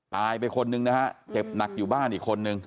ตายไปคนนึงนะฮะเจ็บหนักอยู่บ้านอีกคนนึง